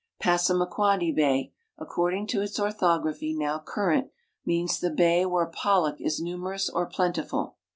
Passamaquoddy bay, according to its orthography now current, means the bay where pollock is numerous or plentiful.